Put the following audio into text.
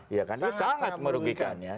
iya kan itu sangat merugikan ya